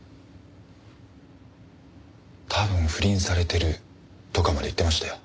「多分不倫されてる」とかまで言ってましたよ。